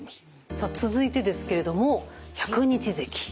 さあ続いてですけれども百日ぜき。